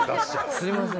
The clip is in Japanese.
すみません。